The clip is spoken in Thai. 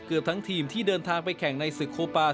เกือบทั้งทีมที่เดินทางไปแข่งในศุกร์โคปาร์